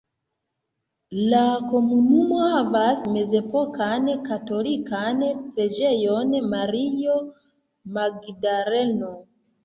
La komunumo havas mezepokan katolikan Preĝejon Mario Magdaleno.